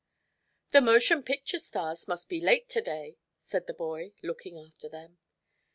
"The motion picture stars must be late to day," said the boy, looking after them.